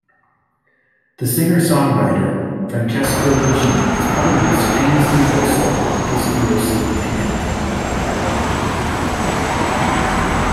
The singer-songwriter Francesco Guccini is probably the most famous "tifoso" of Pistoiese in Italy.